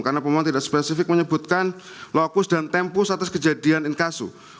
karena pemohon tidak spesifik menyebutkan lokus dan tempus atas kejadian inkasus